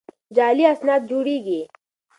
جعلي اسناد جوړېږي.